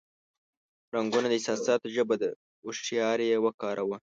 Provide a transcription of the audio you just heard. رنگونه د احساساتو ژبه ده، هوښیار یې وکاروه.